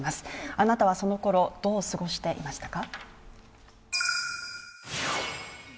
あなたはそのころ、どう過ごしていましたか？